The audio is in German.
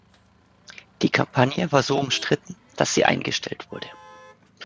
Die Kampagne war so umstritten, dass sie eingestellt wurde.